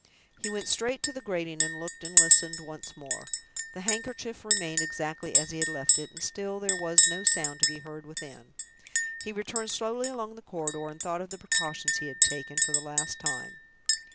He went straight to the grating, and looked and listened once more. The handkerchief remained exactly as he had left it, and still there was no sound to be heard within. He returned slowly along the corridor, and thought of the precautions he had taken, for the last time.